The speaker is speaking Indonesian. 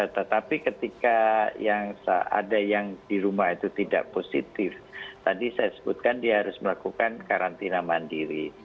tetapi ketika ada yang di rumah itu tidak positif tadi saya sebutkan dia harus melakukan karantina mandiri